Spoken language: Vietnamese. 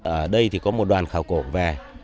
ở đây thì có một đoàn khảo cổ về